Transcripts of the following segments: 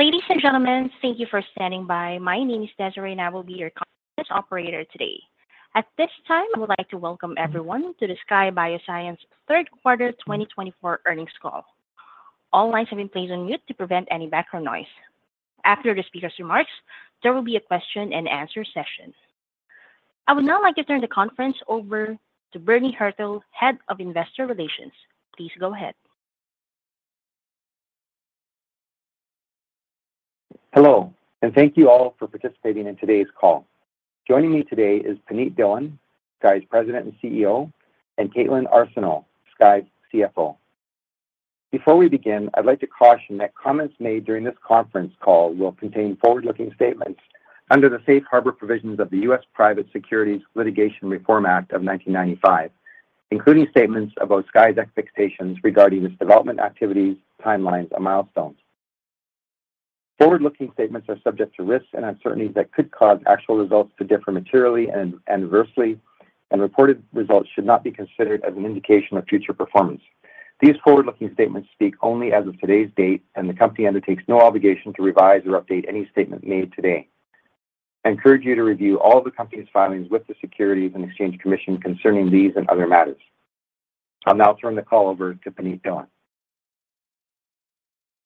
Ladies and gentlemen, thank you for standing by. My name is Desiree, and I will be your conference operator today. At this time, I would like to welcome everyone to the Skye Bioscience third quarter 2024 earnings call. All lines have been placed on mute to prevent any background noise. After the speaker's remarks, there will be a question-and-answer session. I would now like to turn the conference over to Bernie Hertel, Head of Investor Relations. Please go ahead. Hello, and thank you all for participating in today's call. Joining me today is Punit Dhillon, Skye's President and CEO, and Kaitlyn Arsenault, Skye's CFO. Before we begin, I'd like to caution that comments made during this conference call will contain forward-looking statements under the Safe Harbor Provisions of the U.S. Private Securities Litigation Reform Act of 1995, including statements about Skye's expectations regarding its development activities, timelines, and milestones. Forward-looking statements are subject to risks and uncertainties that could cause actual results to differ materially and adversely, and reported results should not be considered as an indication of future performance. These forward-looking statements speak only as of today's date, and the company undertakes no obligation to revise or update any statement made today. I encourage you to review all of the company's filings with the Securities and Exchange Commission concerning these and other matters. I'll now turn the call over to Punit Dhillon.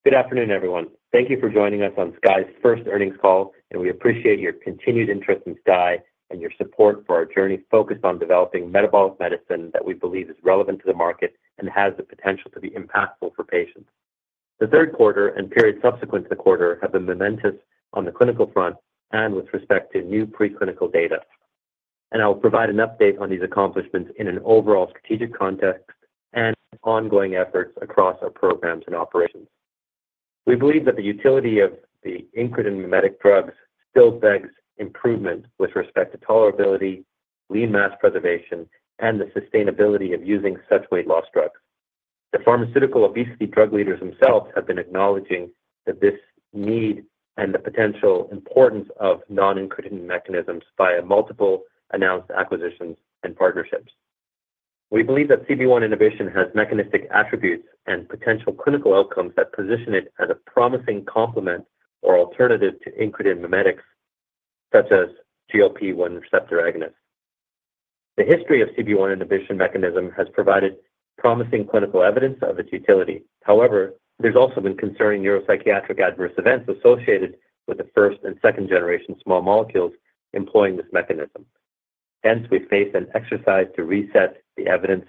Good afternoon, everyone. Thank you for joining us on Skye's first earnings call, and we appreciate your continued interest in Skye and your support for our journey focused on developing metabolic medicine that we believe is relevant to the market and has the potential to be impactful for patients. The third quarter and periods subsequent to the quarter have been momentous on the clinical front and with respect to new preclinical data, and I will provide an update on these accomplishments in an overall strategic context and ongoing efforts across our programs and operations. We believe that the utility of the incretin mimetic drugs still begs improvement with respect to tolerability, lean mass preservation, and the sustainability of using such weight loss drugs. The pharmaceutical obesity drug leaders themselves have been acknowledging this need and the potential importance of non-incretin mechanisms via multiple announced acquisitions and partnerships. We believe that CB1 inhibition has mechanistic attributes and potential clinical outcomes that position it as a promising complement or alternative to incretin mimetics, such as GLP-1 receptor agonists. The history of CB1 inhibition mechanism has provided promising clinical evidence of its utility. However, there's also been concerning neuropsychiatric adverse events associated with the first and second-generation small molecules employing this mechanism. Hence, we face an exercise to reset the evidence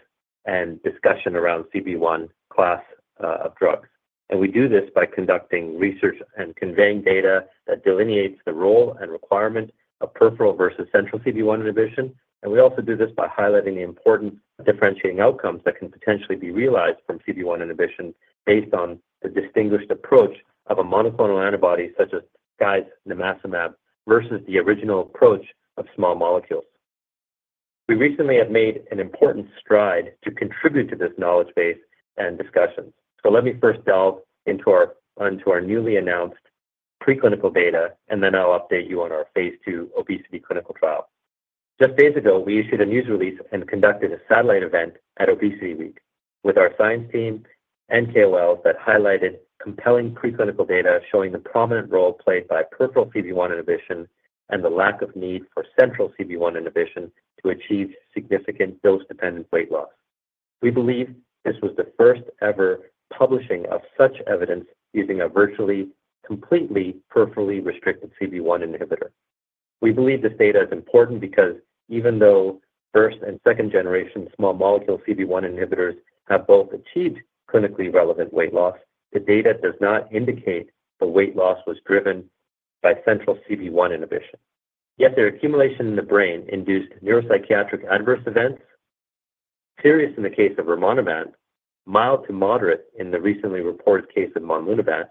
and discussion around CB1 class of drugs. And we do this by conducting research and conveying data that delineates the role and requirement of peripheral versus central CB1 inhibition. And we also do this by highlighting the importance of differentiating outcomes that can potentially be realized from CB1 inhibition based on the distinguished approach of a monoclonal antibody such as Skye's nimacimab versus the original approach of small molecules. We recently have made an important stride to contribute to this knowledge base and discussions. So let me first delve into our newly announced preclinical data, and then I'll update you on our phase two obesity clinical trial. Just days ago, we issued a news release and conducted a satellite event at ObesityWeek with our science team and KOLs that highlighted compelling preclinical data showing the prominent role played by peripheral CB1 inhibition and the lack of need for central CB1 inhibition to achieve significant dose-dependent weight loss. We believe this was the first-ever publishing of such evidence using a virtually completely peripherally restricted CB1 inhibitor. We believe this data is important because even though first and second-generation small molecule CB1 inhibitors have both achieved clinically relevant weight loss, the data does not indicate the weight loss was driven by central CB1 inhibition. Yet their accumulation in the brain induced neuropsychiatric adverse events, serious in the case of rimonabant, mild to moderate in the recently reported case of monlunabant,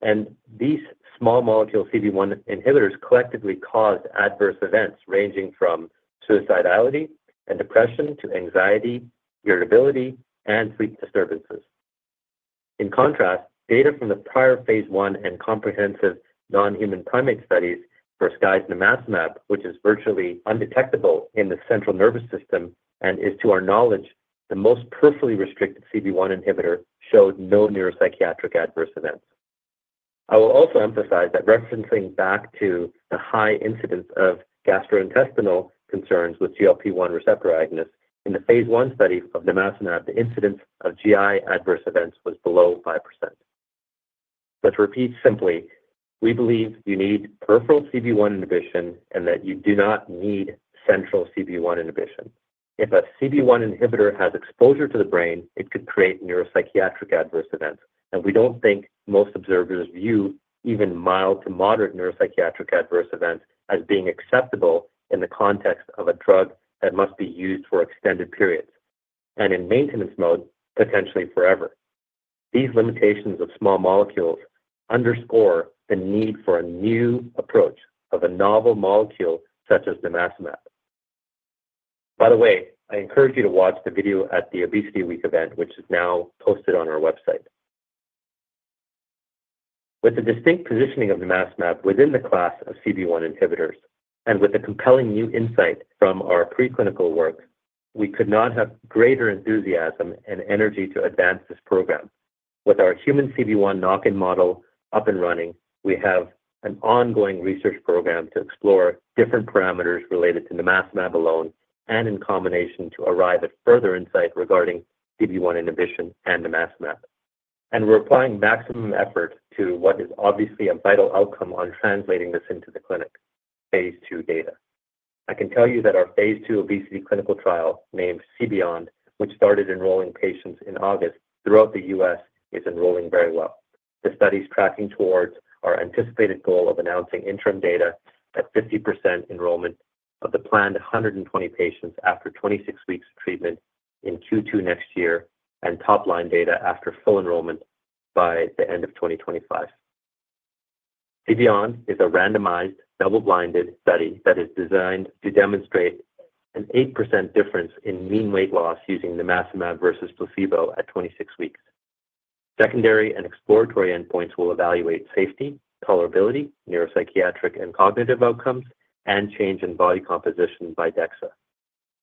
and these small molecule CB1 inhibitors collectively caused adverse events ranging from suicidality and depression to anxiety, irritability, and sleep disturbances. In contrast, data from the prior phase 1 and comprehensive non-human primate studies for Skye's nimacimab, which is virtually undetectable in the central nervous system and is, to our knowledge, the most peripherally restricted CB1 inhibitor, showed no neuropsychiatric adverse events. I will also emphasize that referencing back to the high incidence of gastrointestinal concerns with GLP-1 receptor agonists in the phase 1 study of nimacimab, the incidence of GI adverse events was below 5%. Let's repeat simply: we believe you need peripheral CB1 inhibition and that you do not need central CB1 inhibition. If a CB1 inhibitor has exposure to the brain, it could create neuropsychiatric adverse events, and we don't think most observers view even mild to moderate neuropsychiatric adverse events as being acceptable in the context of a drug that must be used for extended periods and in maintenance mode potentially forever. These limitations of small molecules underscore the need for a new approach of a novel molecule such as nimacimab. By the way, I encourage you to watch the video at the ObesityWeek event, which is now posted on our website. With the distinct positioning of nimacimab within the class of CB1 inhibitors and with the compelling new insight from our preclinical work, we could not have greater enthusiasm and energy to advance this program. With our human CB1 knock-in model up and running, we have an ongoing research program to explore different parameters related to nimacimab alone and in combination to arrive at further insight regarding CB1 inhibition and nimacimab, and we're applying maximum effort to what is obviously a vital outcome on translating this into the clinic: phase 2 data. I can tell you that our phase 2 obesity clinical trial named CBEYOND, which started enrolling patients in August throughout the U.S., is enrolling very well. The study is tracking towards our anticipated goal of announcing interim data at 50% enrollment of the planned 120 patients after 26 weeks of treatment in Q2 next year and top-line data after full enrollment by the end of 2025. CBEYOND is a randomized, double-blinded study that is designed to demonstrate an 8% difference in mean weight loss using nimacimab versus placebo at 26 weeks. Secondary and exploratory endpoints will evaluate safety, tolerability, neuropsychiatric and cognitive outcomes, and change in body composition by DEXA.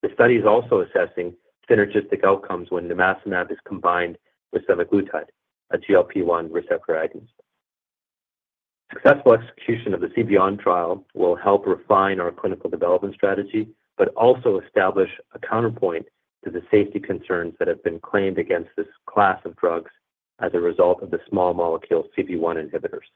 The study is also assessing synergistic outcomes when nimacimab is combined with semaglutide, a GLP-1 receptor agonist. Successful execution of the CBEYOND trial will help refine our clinical development strategy, but also establish a counterpoint to the safety concerns that have been claimed against this class of drugs as a result of the small molecule CB1 inhibitors.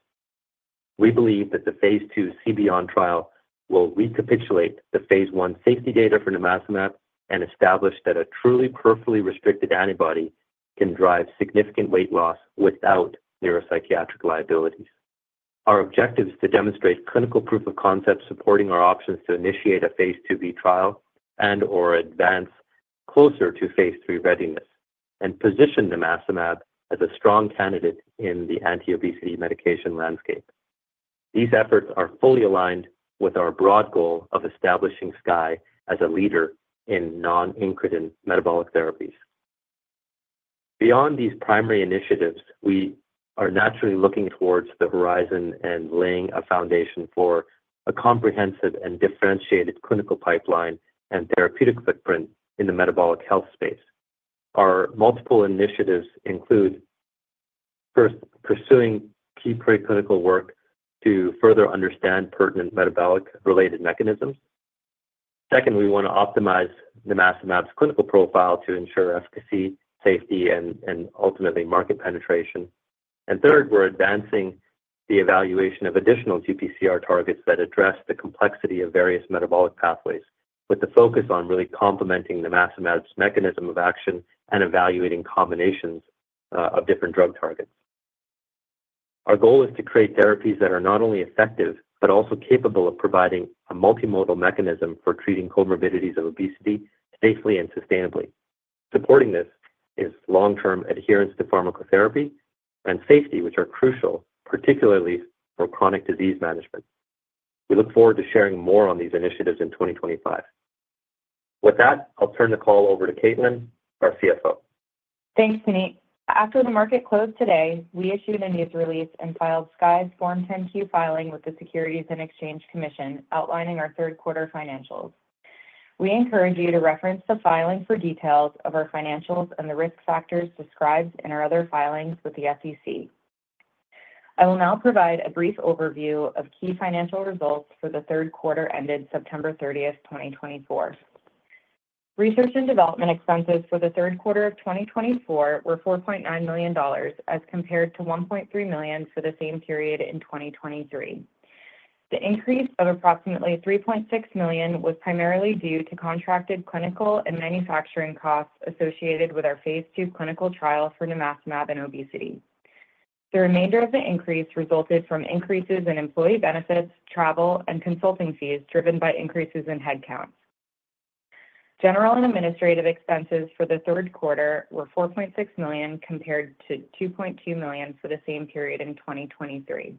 We believe that the phase 2 CBEYOND trial will recapitulate the phase 1 safety data for nimacimab and establish that a truly peripherally restricted antibody can drive significant weight loss without neuropsychiatric liabilities. Our objective is to demonstrate clinical proof of concept supporting our options to initiate a phase 2b trial and/or advance closer to phase 3 readiness and position nimacimab as a strong candidate in the anti-obesity medication landscape. These efforts are fully aligned with our broad goal of establishing Skye as a leader in non-incretin metabolic therapies. Beyond these primary initiatives, we are naturally looking towards the horizon and laying a foundation for a comprehensive and differentiated clinical pipeline and therapeutic footprint in the metabolic health space. Our multiple initiatives include first, pursuing key preclinical work to further understand pertinent metabolic-related mechanisms. Second, we want to optimize nimacimab's clinical profile to ensure efficacy, safety, and ultimately market penetration. And third, we're advancing the evaluation of additional GPCR targets that address the complexity of various metabolic pathways, with the focus on really complementing nimacimab's mechanism of action and evaluating combinations of different drug targets. Our goal is to create therapies that are not only effective but also capable of providing a multimodal mechanism for treating comorbidities of obesity safely and sustainably. Supporting this is long-term adherence to pharmacotherapy and safety, which are crucial, particularly for chronic disease management. We look forward to sharing more on these initiatives in 2025. With that, I'll turn the call over to Kaitlyn, our CFO. Thanks, Punit. After the market closed today, we issued a news release and filed Skye's Form 10-Q filing with the Securities and Exchange Commission outlining our third quarter financials. We encourage you to reference the filing for details of our financials and the risk factors described in our other filings with the SEC. I will now provide a brief overview of key financial results for the third quarter ended September 30th, 2024. Research and development expenses for the third quarter of 2024 were $4.9 million as compared to $1.3 million for the same period in 2023. The increase of approximately $3.6 million was primarily due to contracted clinical and manufacturing costs associated with our phase two clinical trial for nimacimab in obesity. The remainder of the increase resulted from increases in employee benefits, travel, and consulting fees driven by increases in headcounts. General and administrative expenses for the third quarter were $4.6 million compared to $2.2 million for the same period in 2023.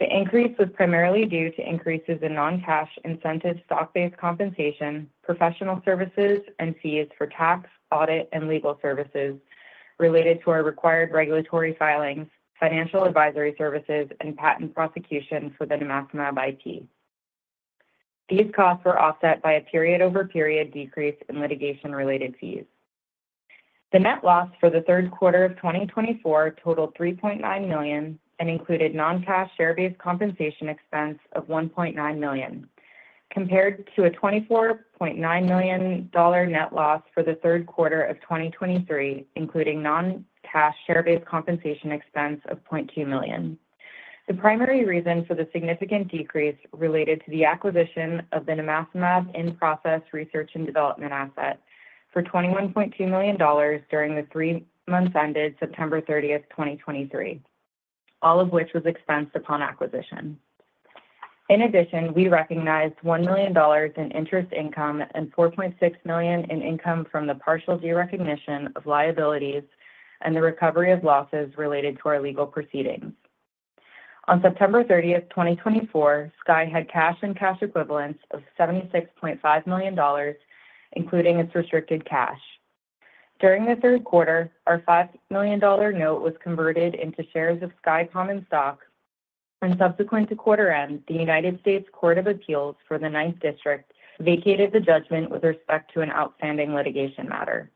The increase was primarily due to increases in non-cash incentive stock-based compensation, professional services, and fees for tax, audit, and legal services related to our required regulatory filings, financial advisory services, and patent prosecutions for the nimacimab IP. These costs were offset by a period-over-period decrease in litigation-related fees. The net loss for the third quarter of 2024 totaled $3.9 million and included non-cash share-based compensation expense of $1.9 million, compared to a $24.9 million net loss for the third quarter of 2023, including non-cash share-based compensation expense of $0.2 million. The primary reason for the significant decrease related to the acquisition of the nimacimab in-process research and development asset for $21.2 million during the three months ended September 30, 2023, all of which was expensed upon acquisition. In addition, we recognized $1 million in interest income and $4.6 million in income from the partial derecognition of liabilities and the recovery of losses related to our legal proceedings. On September 30th, 2024, Skye had cash and cash equivalents of $76.5 million, including its restricted cash. During the third quarter, our $5 million note was converted into shares of Skye Common Stock, and subsequent to quarter end, the United States Court of Appeals for the Ninth Circuit vacated the judgment with respect to an outstanding litigation matter.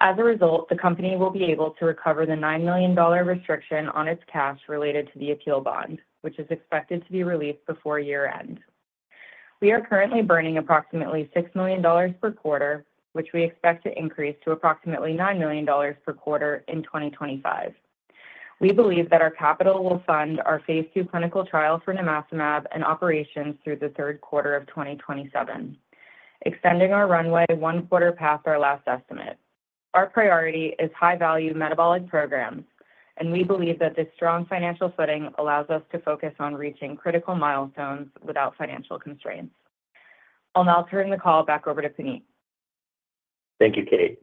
As a result, the company will be able to recover the $9 million restriction on its cash related to the appeal bond, which is expected to be released before year-end. We are currently burning approximately $6 million per quarter, which we expect to increase to approximately $9 million per quarter in 2025. We believe that our capital will fund our phase 2 clinical trial for nimacimab and operations through the third quarter of 2027, extending our runway one quarter past our last estimate. Our priority is high-value metabolic programs, and we believe that this strong financial footing allows us to focus on reaching critical milestones without financial constraints. I'll now turn the call back over to Punit. Thank you, Kate.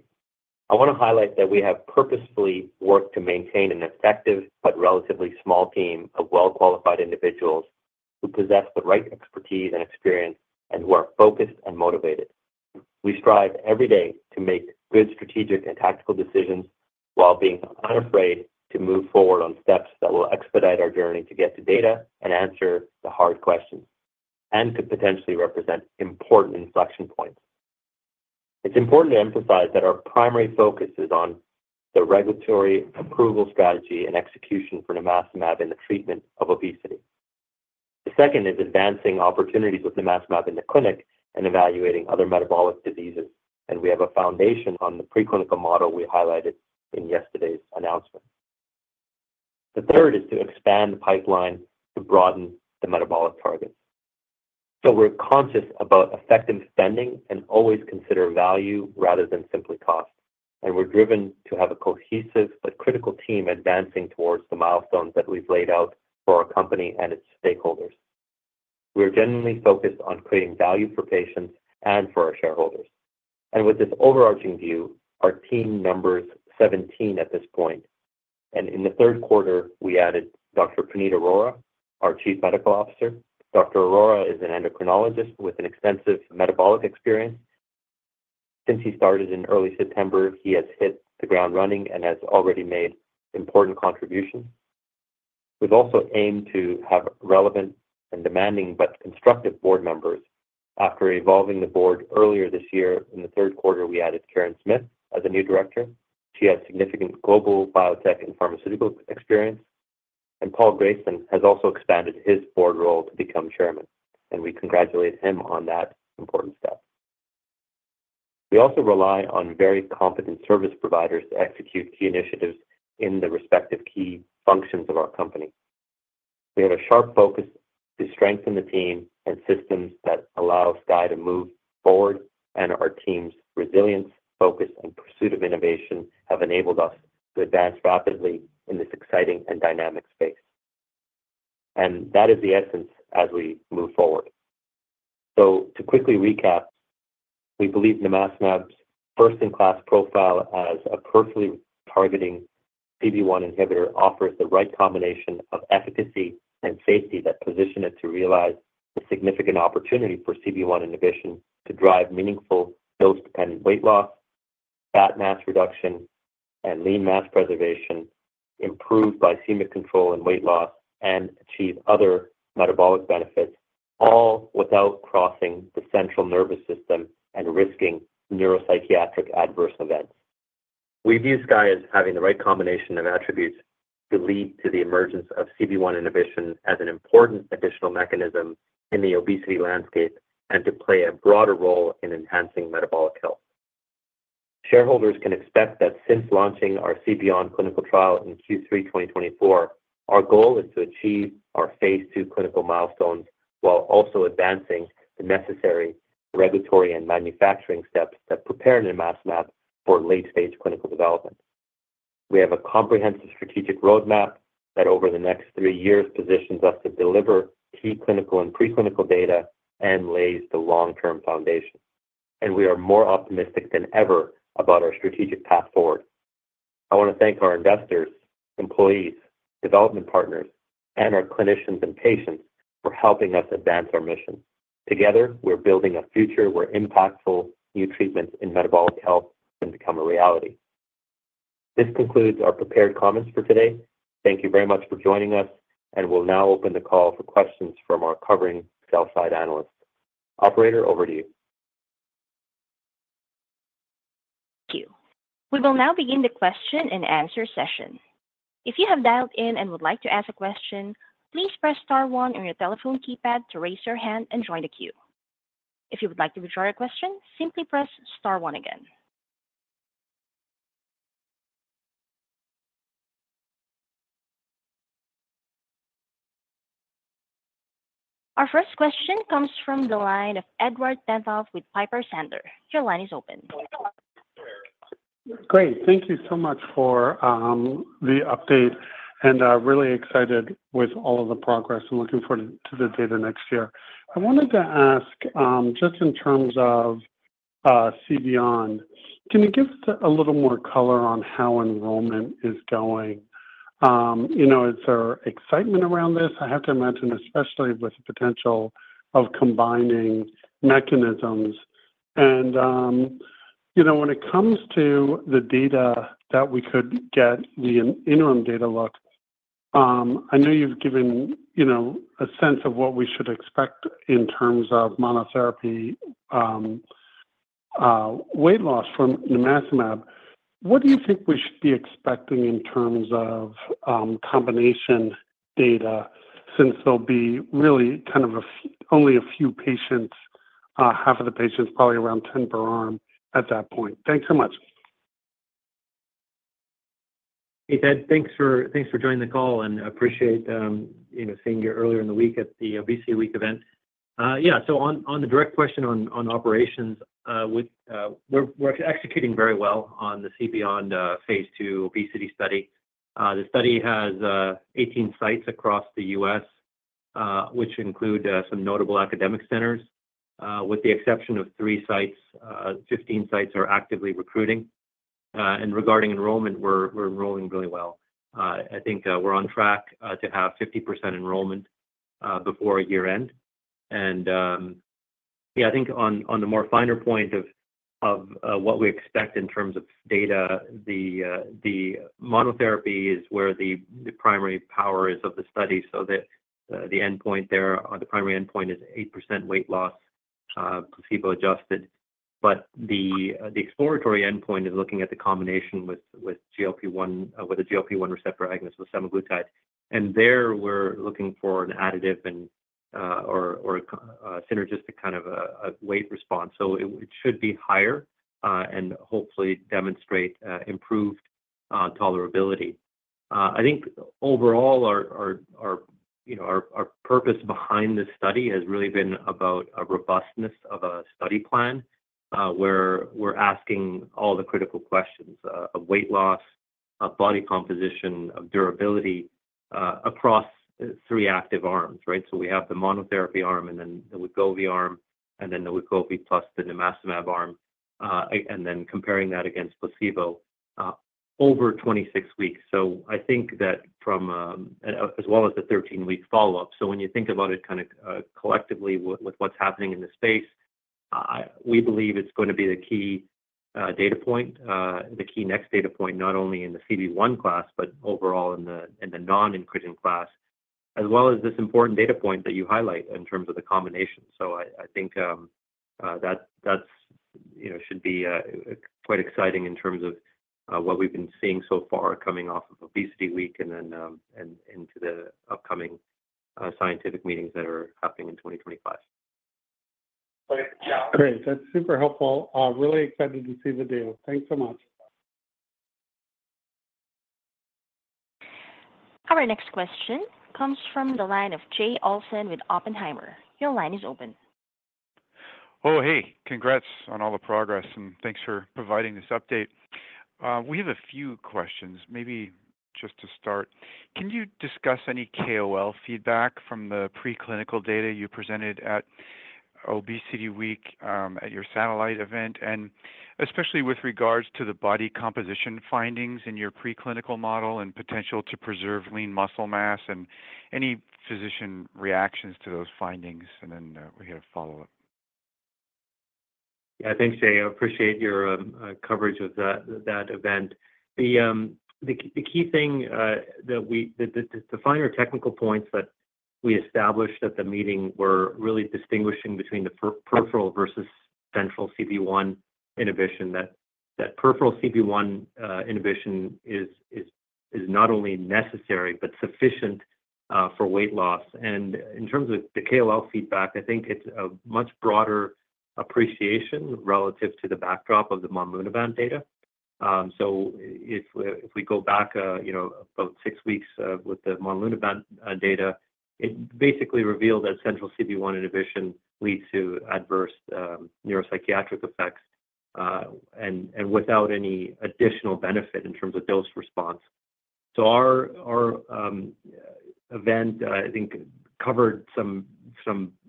I want to highlight that we have purposefully worked to maintain an effective but relatively small team of well-qualified individuals who possess the right expertise and experience and who are focused and motivated. We strive every day to make good strategic and tactical decisions while being unafraid to move forward on steps that will expedite our journey to get to data and answer the hard questions and could potentially represent important inflection points. It's important to emphasize that our primary focus is on the regulatory approval strategy and execution for nimacimab in the treatment of obesity. The second is advancing opportunities with nimacimab in the clinic and evaluating other metabolic diseases, and we have a foundation on the preclinical model we highlighted in yesterday's announcement. The third is to expand the pipeline to broaden the metabolic targets. We're conscious about effective spending and always consider value rather than simply cost, and we're driven to have a cohesive but critical team advancing towards the milestones that we've laid out for our company and its stakeholders. We are genuinely focused on creating value for patients and for our shareholders. With this overarching view, our team numbers 17 at this point. In the third quarter, we added Dr. Puneet Arora, our Chief Medical Officer. Dr. Arora is an endocrinologist with an extensive metabolic experience. Since he started in early September, he has hit the ground running and has already made important contributions. We've also aimed to have relevant and demanding but constructive board members. After evolving the board earlier this year, in the third quarter, we added Karen Smith as a new director. She has significant global biotech and pharmaceutical experience, and Paul Grayson has also expanded his board role to become chairman, and we congratulate him on that important step. We also rely on very competent service providers to execute key initiatives in the respective key functions of our company. We have a sharp focus to strengthen the team and systems that allow Skye to move forward, and our team's resilience, focus, and pursuit of innovation have enabled us to advance rapidly in this exciting and dynamic space. And that is the essence as we move forward. To quickly recap, we believe nimacimab's first-in-class profile as a peripheral targeting CB1 inhibitor offers the right combination of efficacy and safety that position it to realize the significant opportunity for CB1 inhibition to drive meaningful dose-dependent weight loss, fat mass reduction, and lean mass preservation, improve glycemic control and weight loss, and achieve other metabolic benefits, all without crossing the central nervous system and risking neuropsychiatric adverse events. We view Skye as having the right combination of attributes to lead to the emergence of CB1 inhibition as an important additional mechanism in the obesity landscape and to play a broader role in enhancing metabolic health. Shareholders can expect that since launching our CBEYOND clinical trial in Q3 2024, our goal is to achieve our phase two clinical milestones while also advancing the necessary regulatory and manufacturing steps that prepare nimacimab for late-stage clinical development. We have a comprehensive strategic roadmap that over the next three years positions us to deliver key clinical and preclinical data and lays the long-term foundation. And we are more optimistic than ever about our strategic path forward. I want to thank our investors, employees, development partners, and our clinicians and patients for helping us advance our mission. Together, we're building a future where impactful new treatments in metabolic health can become a reality. This concludes our prepared comments for today. Thank you very much for joining us, and we'll now open the call for questions from our covering sell-side analysts. Operator, over to you. Thank you. We will now begin the question and answer session. If you have dialed in and would like to ask a question, please press star one on your telephone keypad to raise your hand and join the queue. If you would like to withdraw your question, simply press star one again. Our first question comes from the line of Edward Tenthoff with Piper Sandler. Your line is open. Great. Thank you so much for the update, and I'm really excited with all of the progress and looking forward to the data next year. I wanted to ask, just in terms of CBEYOND, can you give us a little more color on how enrollment is going? Is there excitement around this? I have to imagine, especially with the potential of combining mechanisms, and when it comes to the data that we could get, the interim data look. I know you've given a sense of what we should expect in terms of monotherapy weight loss from nimacimab. What do you think we should be expecting in terms of combination data since there'll be really kind of only a few patients, half of the patients, probably around 10 per arm at that point? Thanks so much. Hey, Ted. Thanks for joining the call, and I appreciate seeing you earlier in the week at the ObesityWeek event. Yeah, so on the direct question on operations, we're executing very well on the CBEYOND phase 2 obesity study. The study has 18 sites across the U.S., which include some notable academic centers. With the exception of three sites, 15 sites are actively recruiting. And regarding enrollment, we're enrolling really well. I think we're on track to have 50% enrollment before year-end. And yeah, I think on the more finer point of what we expect in terms of data, the monotherapy is where the primary power is of the study. So the endpoint there, the primary endpoint is 8% weight loss, placebo-adjusted. But the exploratory endpoint is looking at the combination with the GLP-1 receptor agonist, with semaglutide. And there, we're looking for an additive or a synergistic kind of a weight response. So it should be higher and hopefully demonstrate improved tolerability. I think overall, our purpose behind this study has really been about a robustness of a study plan where we're asking all the critical questions of weight loss, of body composition, of durability across three active arms, right? So we have the monotherapy arm and then the Wegovy arm and then the Wegovy plus the nimacimab arm, and then comparing that against placebo over 26 weeks. So I think that from as well as the 13-week follow-up. So when you think about it kind of collectively with what's happening in the space, we believe it's going to be the key data point, the key next data point, not only in the CB1 class, but overall in the non-incretin class, as well as this important data point that you highlight in terms of the combination. So I think that should be quite exciting in terms of what we've been seeing so far coming off of ObesityWeek and then into the upcoming scientific meetings that are happening in 2025. Great. That's super helpful. Really excited to see the data. Thanks so much. Our next question comes from the line of Jay Olson with Oppenheimer. Your line is open. Oh, hey. Congrats on all the progress, and thanks for providing this update. We have a few questions, maybe just to start. Can you discuss any KOL feedback from the preclinical data you presented at ObesityWeek at your satellite event, and especially with regards to the body composition findings in your preclinical model and potential to preserve lean muscle mass and any physician reactions to those findings? And then we have follow-up. Yeah, thanks, Jay. I appreciate your coverage of that event. The key thing that we, the finer technical points that we established at the meeting, were really distinguishing between the peripheral versus central CB1 inhibition, that peripheral CB1 inhibition is not only necessary but sufficient for weight loss. And in terms of the KOL feedback, I think it's a much broader appreciation relative to the backdrop of the monlunabant data. So if we go back about six weeks with the monlunabant data, it basically revealed that central CB1 inhibition leads to adverse neuropsychiatric effects and without any additional benefit in terms of dose response. So our event, I think, covered some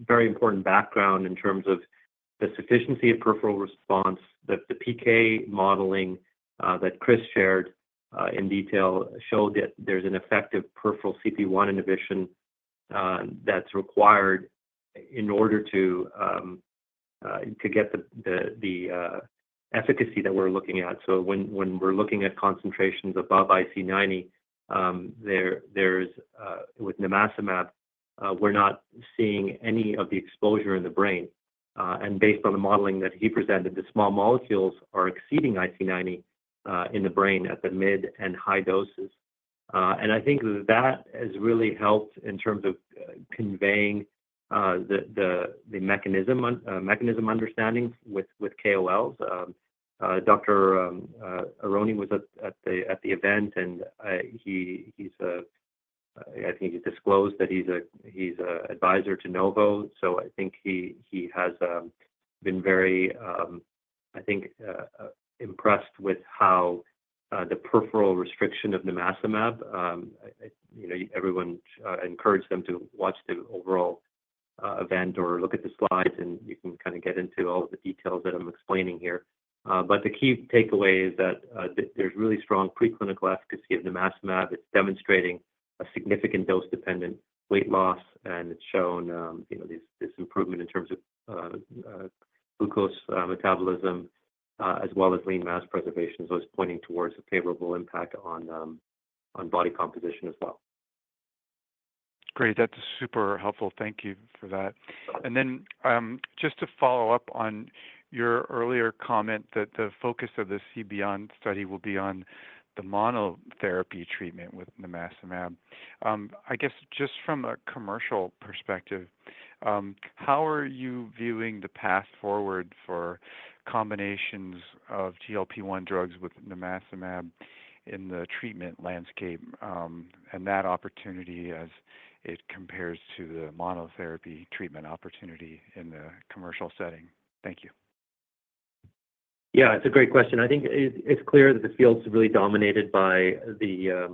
very important background in terms of the sufficiency of peripheral response. The PK modeling that Chris shared in detail showed that there's an effective peripheral CB1 inhibition that's required in order to get the efficacy that we're looking at. So when we're looking at concentrations above IC90, with nimacimab, we're not seeing any of the exposure in the brain. And based on the modeling that he presented, the small molecules are exceeding IC90 in the brain at the mid and high doses. And I think that has really helped in terms of conveying the mechanism understanding with KOLs. Dr. Aronne was at the event, and I think he disclosed that he's an advisor to Novo. So I think he has been very, I think, impressed with how the peripheral restriction of nimacimab. Everyone encouraged them to watch the overall event or look at the slides, and you can kind of get into all of the details that I'm explaining here. But the key takeaway is that there's really strong preclinical efficacy of nimacimab. It's demonstrating a significant dose-dependent weight loss, and it's shown this improvement in terms of glucose metabolism as well as lean mass preservation, so it's pointing towards a favorable impact on body composition as well. Great. That's super helpful. Thank you for that. And then just to follow up on your earlier comment that the focus of the CBEYOND study will be on the monotherapy treatment with nimacimab, I guess just from a commercial perspective, how are you viewing the path forward for combinations of GLP-1 drugs with nimacimab in the treatment landscape and that opportunity as it compares to the monotherapy treatment opportunity in the commercial setting? Thank you. Yeah, it's a great question. I think it's clear that the field's really dominated by the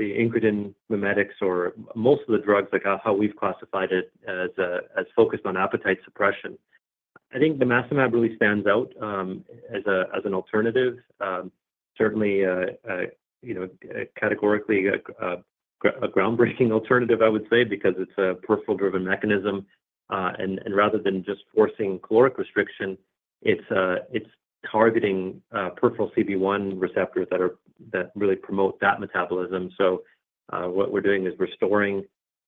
incretin mimetics or most of the drugs, like how we've classified it, as focused on appetite suppression. I think nimacimab really stands out as an alternative, certainly categorically a groundbreaking alternative, I would say, because it's a peripheral-driven mechanism. And rather than just forcing caloric restriction, it's targeting peripheral CB1 receptors that really promote fat metabolism. So what we're doing is restoring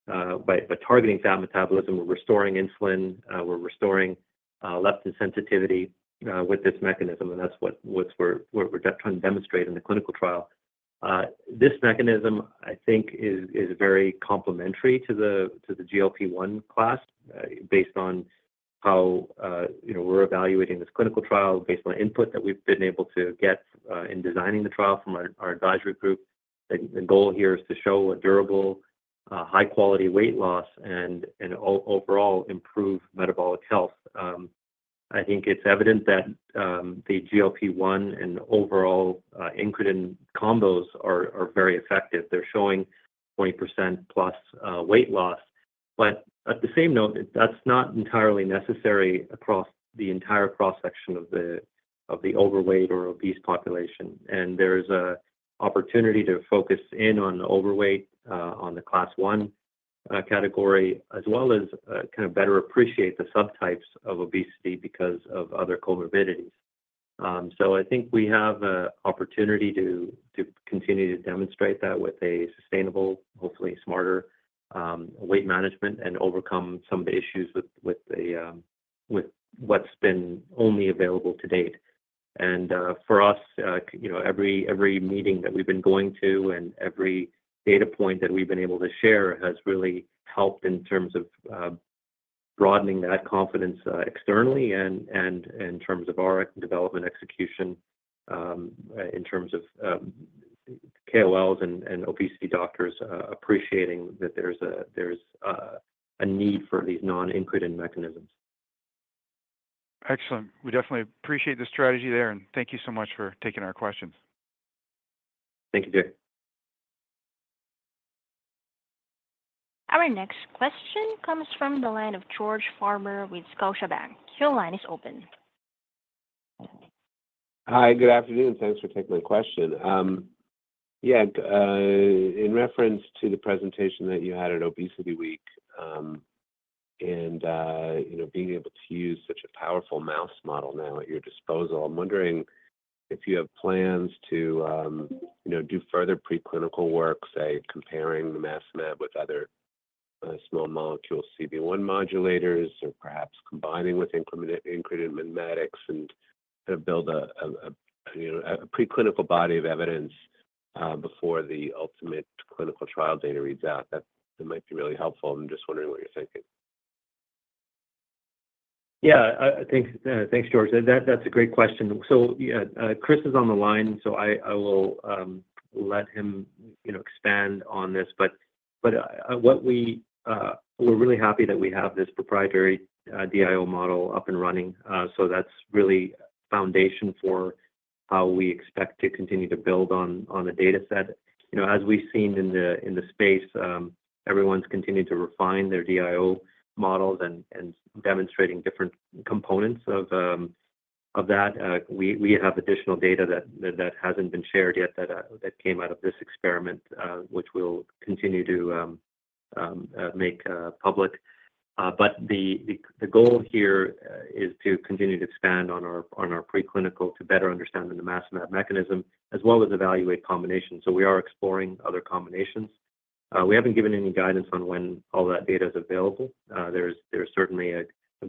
by targeting fat metabolism, we're restoring insulin, we're restoring leptin sensitivity with this mechanism, and that's what we're trying to demonstrate in the clinical trial. This mechanism, I think, is very complementary to the GLP-1 class based on how we're evaluating this clinical trial based on input that we've been able to get in designing the trial from our advisory group. The goal here is to show a durable, high-quality weight loss and overall improve metabolic health. I think it's evident that the GLP-1 and overall incretin combos are very effective. They're showing 20% plus weight loss. But at the same note, that's not entirely necessary across the entire cross-section of the overweight or obese population. And there's an opportunity to focus in on the overweight, on the class one category, as well as kind of better appreciate the subtypes of obesity because of other comorbidities. So I think we have an opportunity to continue to demonstrate that with a sustainable, hopefully smarter weight management and overcome some of the issues with what's been only available to date. For us, every meeting that we've been going to and every data point that we've been able to share has really helped in terms of broadening that confidence externally and in terms of our development execution in terms of KOLs and obesity doctors appreciating that there's a need for these non-incretin mechanisms. Excellent. We definitely appreciate the strategy there, and thank you so much for taking our questions. Thank you, Jay. Our next question comes from the line of George Farmer with Scotiabank. Your line is open. Hi, good afternoon. Thanks for taking my question. Yeah, in reference to the presentation that you had at Obesity Week and being able to use such a powerful mouse model now at your disposal, I'm wondering if you have plans to do further preclinical work, say, comparing the nimacimab with other small molecule CB1 modulators or perhaps combining with incretin mimetics and kind of build a preclinical body of evidence before the ultimate clinical trial data reads out. That might be really helpful. I'm just wondering what you're thinking. Yeah, thanks, George. That's a great question. So Chris is on the line, so I will let him expand on this. But we're really happy that we have this proprietary DIO model up and running. So that's really foundation for how we expect to continue to build on the dataset. As we've seen in the space, everyone's continued to refine their DIO models and demonstrating different components of that. We have additional data that hasn't been shared yet that came out of this experiment, which we'll continue to make public. But the goal here is to continue to expand on our preclinical to better understand the nimacimab mechanism as well as evaluate combinations. So we are exploring other combinations. We haven't given any guidance on when all that data is available. There's certainly a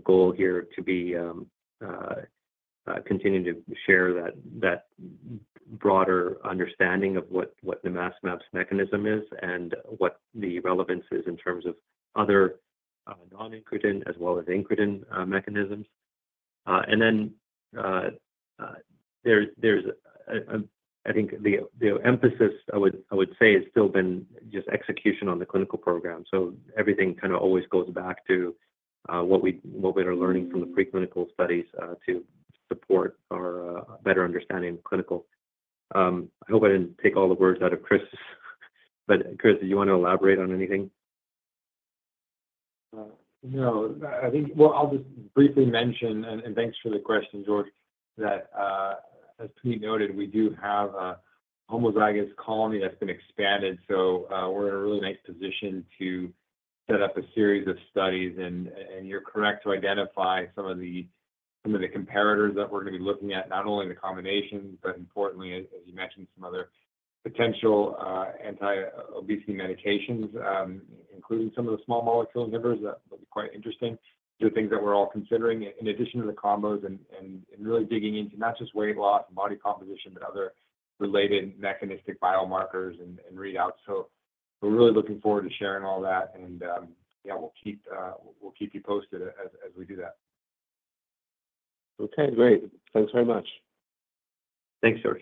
goal here to continue to share that broader understanding of what nimacimab's mechanism is and what the relevance is in terms of other non-incretin as well as incretin mechanisms. And then there's, I think, the emphasis, I would say, has still been just execution on the clinical program. So everything kind of always goes back to what we are learning from the preclinical studies to support our better understanding of clinical. I hope I didn't take all the words out of Chris. But Chris, did you want to elaborate on anything? No. I'll just briefly mention, and thanks for the question, George, that as Puneet noted, we do have a homozygous colony that's been expanded. So we're in a really nice position to set up a series of studies. And you're correct to identify some of the comparators that we're going to be looking at, not only the combinations, but importantly, as you mentioned, some other potential anti-obesity medications, including some of the small molecule inhibitors. That'll be quite interesting. These are things that we're all considering in addition to the combos and really digging into not just weight loss and body composition, but other related mechanistic biomarkers and readouts. So we're really looking forward to sharing all that. And yeah, we'll keep you posted as we do that. Okay, great. Thanks very much. Thanks, George.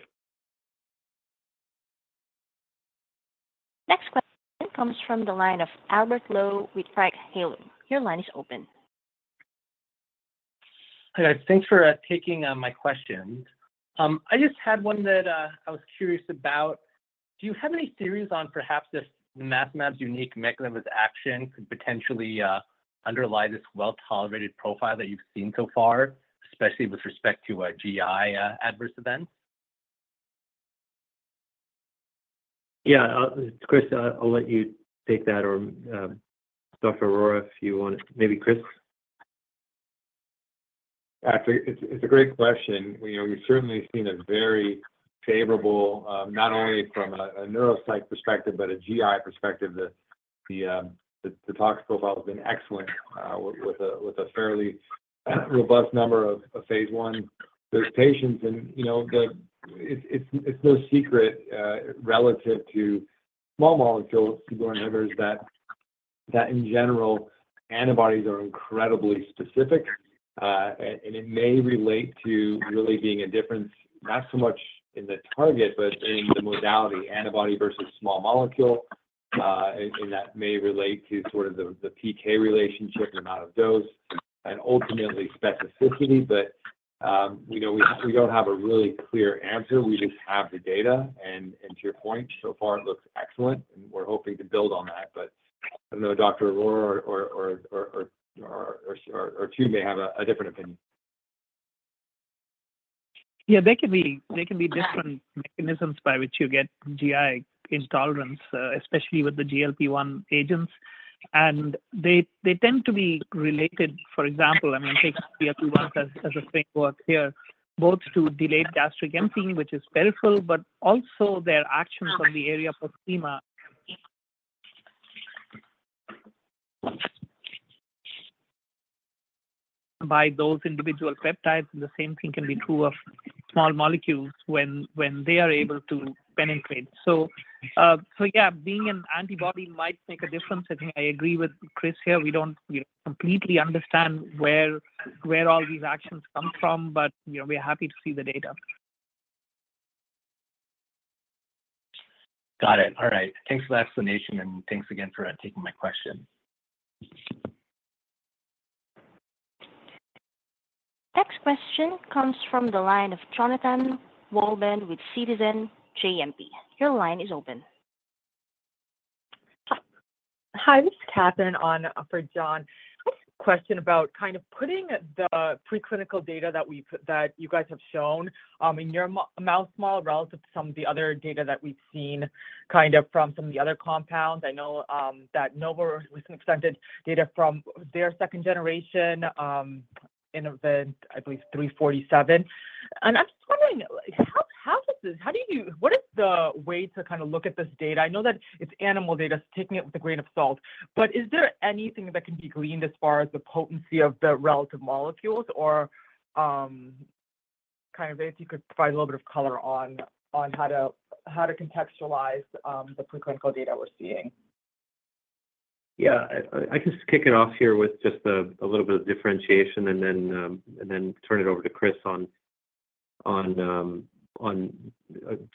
Next question comes from the line of Albert Lowe with Craig-Hallum. Your line is open. Hi, guys. Thanks for taking my questions. I just had one that I was curious about. Do you have any theories on perhaps if nimacimab's unique mechanism of action could potentially underlie this well-tolerated profile that you've seen so far, especially with respect to GI adverse events? Yeah, Chris, I'll let you take that, or Dr. Arora if you want it. Maybe Chris. Yeah, it's a great question. We've certainly seen a very favorable, not only from a neuropsych perspective but a GI perspective. The toxic profile has been excellent with a fairly robust number of phase I patients. And it's no secret relative to small molecule CB1 inhibitors that, in general, antibodies are incredibly specific. And it may relate to really being a difference, not so much in the target, but in the modality, antibody versus small molecule, and that may relate to sort of the PK relationship, the amount of dose, and ultimately specificity. But we don't have a really clear answer. We just have the data. And to your point, so far, it looks excellent. And we're hoping to build on that. But I don't know if Dr. Arora or Punit may have a different opinion. Yeah, there can be different mechanisms by which you get GI intolerance, especially with the GLP-1 agents. And they tend to be related. For example, I mean, take GLP-1 as a framework here, both due to delayed gastric emptying, which is peripheral, but also their actions on the area postrema by those individual peptides. And the same thing can be true of small molecules when they are able to penetrate. So yeah, being an antibody might make a difference. I think I agree with Chris here. We don't completely understand where all these actions come from, but we're happy to see the data. Got it. All right. Thanks for the explanation, and thanks again for taking my question. Next question comes from the line of Jonathan Wolleben with Citizens JMP. Your line is open. Hi, this is Kathryn on for, John. Question about kind of putting the preclinical data that you guys have shown in your mouse model relative to some of the other data that we've seen kind of from some of the other compounds. I know that Novo presented data from their second-generation inverse agonist, I believe, 347, and I'm just wondering, how do you - what is the way to kind of look at this data? I know that it's animal data, so taking it with a grain of salt, but is there anything that can be gleaned as far as the potency of the relative molecules or kind of if you could provide a little bit of color on how to contextualize the preclinical data we're seeing? Yeah, I can just kick it off here with just a little bit of differentiation and then turn it over to Chris.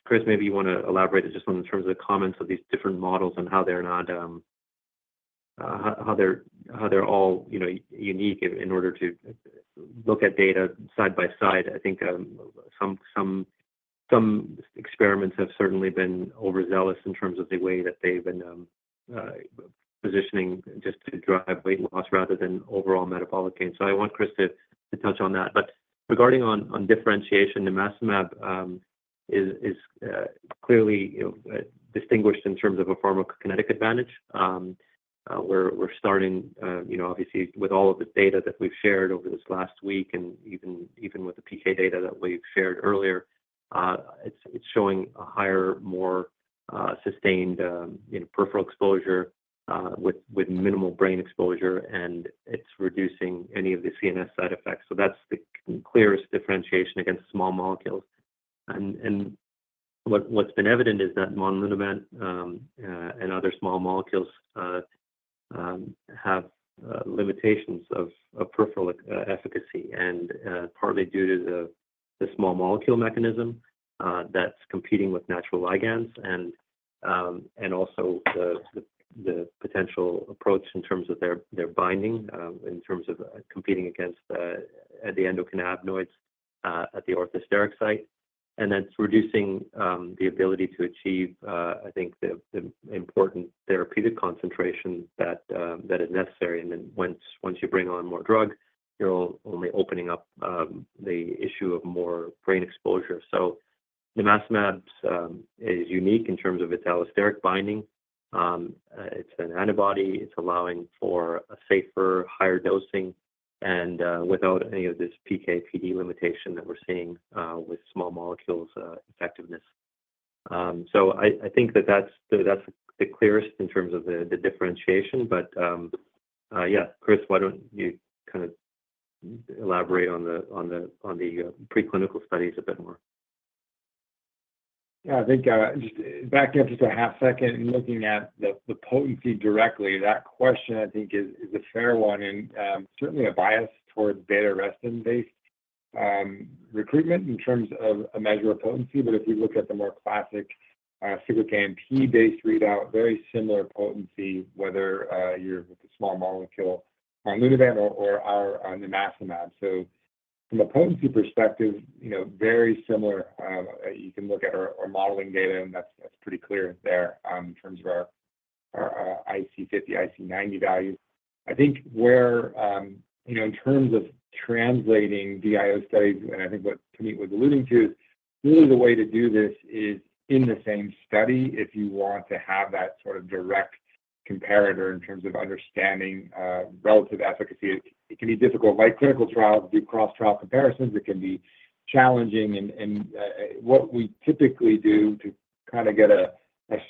Chris, maybe you want to elaborate just on the terms of the comments of these different models and how they're not, how they're all unique in order to look at data side by side. I think some experiments have certainly been overzealous in terms of the way that they've been positioning just to drive weight loss rather than overall metabolic gain. So I want Chris to touch on that. But regarding on differentiation, nimacimab is clearly distinguished in terms of a pharmacokinetic advantage. We're starting, obviously, with all of the data that we've shared over this last week and even with the PK data that we've shared earlier. It's showing a higher, more sustained peripheral exposure with minimal brain exposure, and it's reducing any of the CNS side effects. That's the clearest differentiation against small molecules. And what's been evident is that monlunabant and other small molecules have limitations of peripheral efficacy, partly due to the small molecule mechanism that's competing with natural ligands and also the potential approach in terms of their binding, in terms of competing against the endocannabinoids at the orthosteric site. And that's reducing the ability to achieve, I think, the important therapeutic concentration that is necessary. And then once you bring on more drug, you're only opening up the issue of more brain exposure. So nimacimab is unique in terms of its allosteric binding. It's an antibody. It's allowing for a safer, higher dosing and without any of this PK/PD limitation that we're seeing with small molecules effectiveness. So I think that that's the clearest in terms of the differentiation. But yeah, Chris, why don't you kind of elaborate on the preclinical studies a bit more? Yeah, I think just backing up just a half second and looking at the potency directly, that question, I think, is a fair one and certainly a bias towards beta-arrestin-based recruitment in terms of a measure of potency. But if you look at the more classic cyclic AMP-based readout, very similar potency, whether you're with a small molecule on monlunabant or our nimacimab. So from a potency perspective, very similar. You can look at our modeling data, and that's pretty clear there in terms of our IC50, IC90 values. I think where in terms of translating DIO studies, and I think what Puneet was alluding to is really the way to do this is in the same study, if you want to have that sort of direct comparator in terms of understanding relative efficacy, it can be difficult. Like clinical trials, do cross-trial comparisons. It can be challenging. What we typically do to kind of get a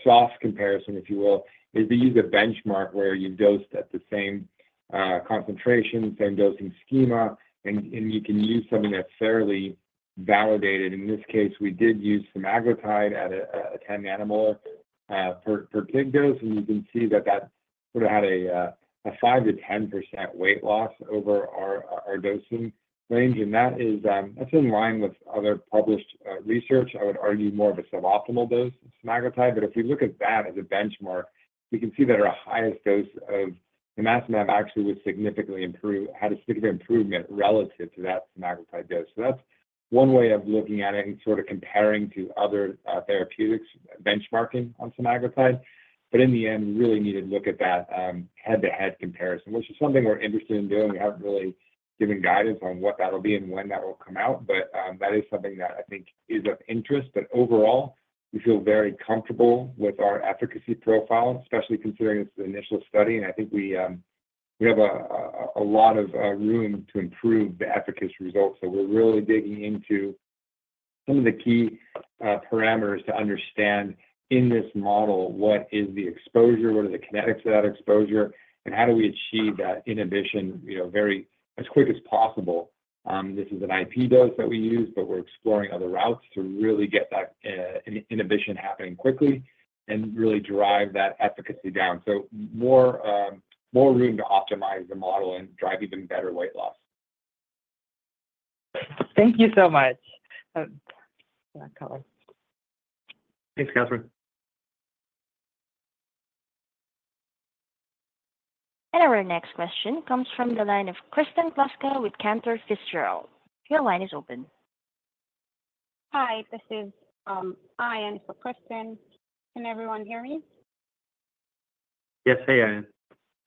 soft comparison, if you will, is we use a benchmark where you dose at the same concentration, same dosing schema, and you can use something that's fairly validated. In this case, we did use semaglutide at an animal, per pig dose. And you can see that that sort of had a 5%-10% weight loss over our dosing range. And that's in line with other published research. I would argue more of a suboptimal dose of semaglutide. But if we look at that as a benchmark, we can see that our highest dose of nimacimab actually had a significant improvement relative to that semaglutide dose. So that's one way of looking at it and sort of comparing to other therapeutics, benchmarking on semaglutide. But in the end, we really need to look at that head-to-head comparison, which is something we're interested in doing. We haven't really given guidance on what that'll be and when that will come out. But that is something that I think is of interest. But overall, we feel very comfortable with our efficacy profile, especially considering it's the initial study. And I think we have a lot of room to improve the efficacy results. So we're really digging into some of the key parameters to understand in this model, what is the exposure, what are the kinetics of that exposure, and how do we achieve that inhibition as quick as possible. This is an IP dose that we use, but we're exploring other routes to really get that inhibition happening quickly and really drive that efficacy down. More room to optimize the model and drive even better weight loss. Thank you so much. Thanks, Kathryn. Our next question comes from the line of Kristen Kluska with Cantor Fitzgerald. Your line is open. Hi, this is Aya for Kristen. Can everyone hear me? Yes, hey,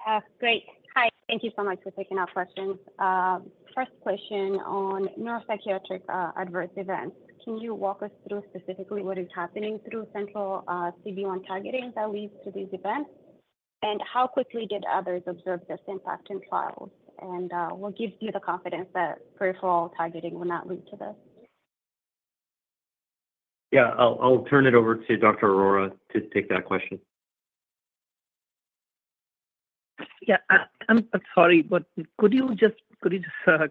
Aya. Great. Hi. Thank you so much for taking our questions. First question on neuropsychiatric adverse events. Can you walk us through specifically what is happening through central CB1 targeting that leads to these events? And how quickly did others observe this impact in trials? And what gives you the confidence that peripheral targeting will not lead to this? Yeah, I'll turn it over to Dr. Arora to take that question. Yeah, I'm sorry, but could you just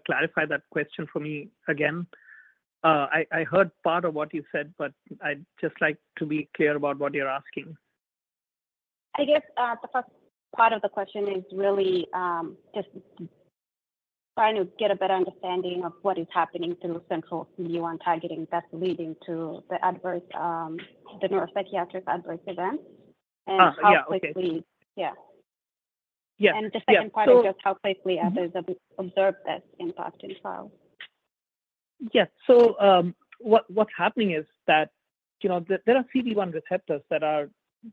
clarify that question for me again? I heard part of what you said, but I'd just like to be clear about what you're asking. I guess the first part of the question is really just trying to get a better understanding of what is happening through central CB1 targeting that's leading to the neuropsychiatric adverse events and how quickly. Yeah, so yeah. Yeah. And the second part is just how quickly others have observed this impact in trials. Yeah. So what's happening is that there are CB1 receptors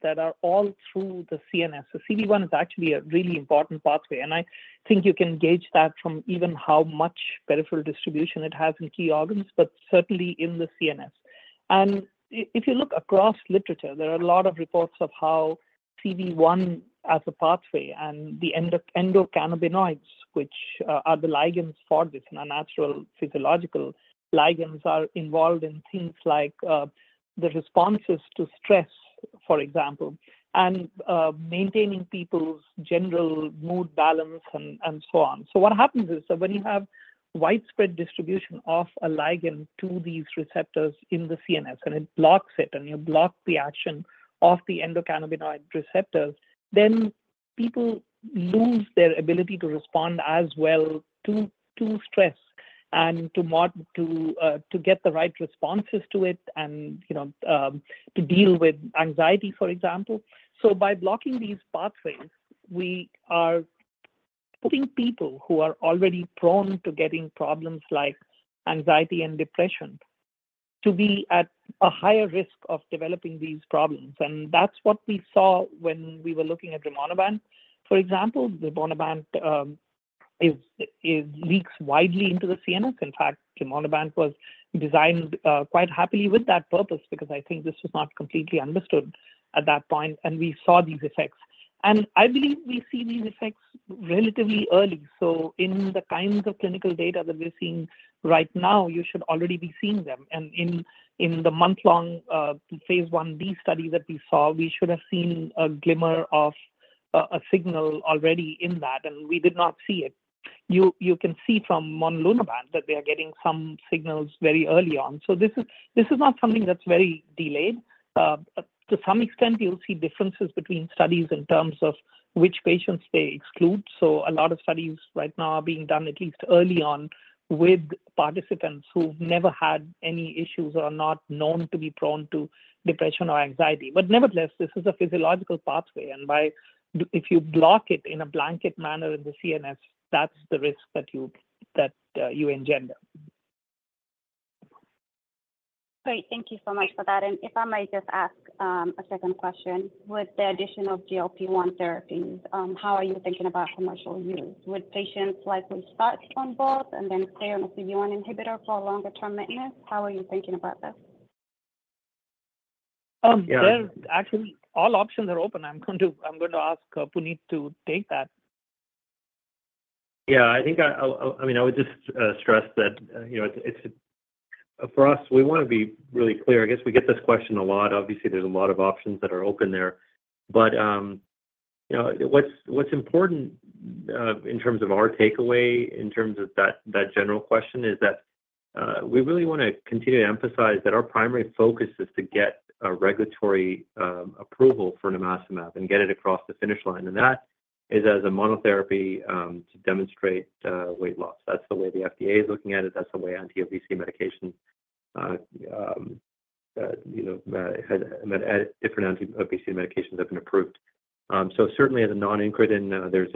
that are all through the CNS. So CB1 is actually a really important pathway. And I think you can gauge that from even how much peripheral distribution it has in key organs, but certainly in the CNS. And if you look across literature, there are a lot of reports of how CB1 as a pathway and the endocannabinoids, which are the ligands for this, natural physiological ligands, are involved in things like the responses to stress, for example, and maintaining people's general mood balance and so on. So what happens is that when you have widespread distribution of a ligand to these receptors in the CNS and it blocks it and you block the action of the endocannabinoid receptors, then people lose their ability to respond as well to stress and to get the right responses to it and to deal with anxiety, for example. So by blocking these pathways, we are putting people who are already prone to getting problems like anxiety and depression to be at a higher risk of developing these problems. And that's what we saw when we were looking at rimonabant. For example, rimonabant leaks widely into the CNS. In fact, rimonabant was designed quite happily with that purpose because I think this was not completely understood at that point. And we saw these effects. And I believe we see these effects relatively early. So in the kinds of clinical data that we're seeing right now, you should already be seeing them. And in the month-long phase 1B study that we saw, we should have seen a glimmer of a signal already in that, and we did not see it. You can see from monlunabant that they are getting some signals very early on. So this is not something that's very delayed. To some extent, you'll see differences between studies in terms of which patients they exclude. So a lot of studies right now are being done, at least early on, with participants who've never had any issues or are not known to be prone to depression or anxiety. But nevertheless, this is a physiological pathway. And if you block it in a blanket manner in the CNS, that's the risk that you engender. Great. Thank you so much for that. And if I may just ask a second question, with the addition of GLP-1 therapies, how are you thinking about commercial use? Would patients likely start on both and then stay on a CB1 inhibitor for a longer-term maintenance? How are you thinking about that? Yeah. Actually, all options are open. I'm going to ask Puneet to take that. Yeah. I mean, I would just stress that for us, we want to be really clear. I guess we get this question a lot. Obviously, there's a lot of options that are open there. But what's important in terms of our takeaway, in terms of that general question, is that we really want to continue to emphasize that our primary focus is to get a regulatory approval for nimacimab and get it across the finish line. And that is as a monotherapy to demonstrate weight loss. That's the way the FDA is looking at it. That's the way anti-CB1 medications, different anti-CB1 medications, have been approved. So certainly, as a non-incretin, there's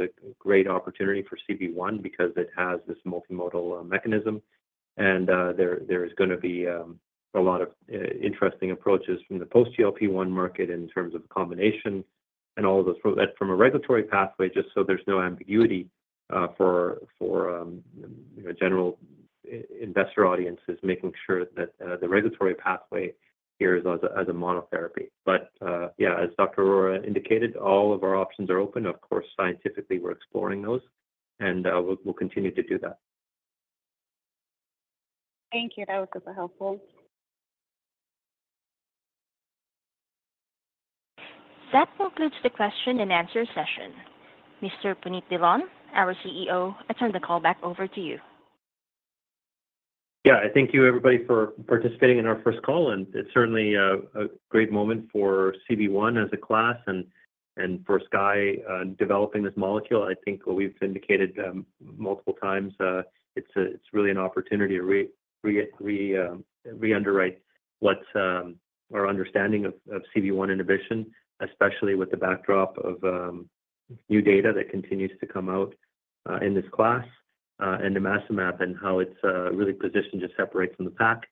a great opportunity for CB1 because it has this multimodal mechanism. And there is going to be a lot of interesting approaches from the post-GLP-1 market in terms of combination and all of those. But from a regulatory pathway, just so there's no ambiguity for general investor audiences, making sure that the regulatory pathway here is as a monotherapy. But yeah, as Dr. Arora indicated, all of our options are open. Of course, scientifically, we're exploring those, and we'll continue to do that. Thank you. That was super helpful. That concludes the question and answer session. Mr. Puneet Dhillon, our CEO. I turn the call back over to you. Yeah, I thank you, everybody, for participating in our first call. And it's certainly a great moment for CB1 as a class and for Skye developing this molecule. I think what we've indicated multiple times, it's really an opportunity to re-underwrite our understanding of CB1 inhibition, especially with the backdrop of new data that continues to come out in this class and nimacimab and how it's really positioned to separate from the pack.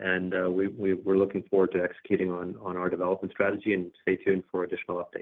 And we're looking forward to executing on our development strategy. And stay tuned for additional updates.